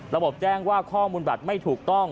ระบบแจ้งว่าข้อมูลบัตรไม่ถูกต้อง